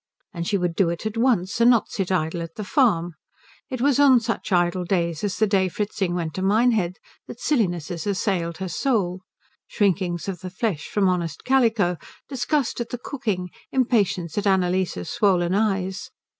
And she would do it at once, and not sit idle at the farm. It was on such idle days as the day Fritzing went to Minehead that sillinesses assailed her soul shrinkings of the flesh from honest calico, disgust at the cooking, impatience at Annalise's swollen eyes.